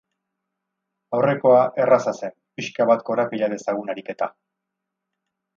Aurrekoa erraza zen, pixka bat korapila dezagun ariketa.